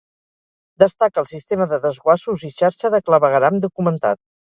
Destaca el sistema de desguassos i xarxa de clavegueram documentat.